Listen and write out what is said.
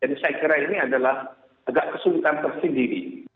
jadi saya kira ini adalah agak kesulitan tersendiri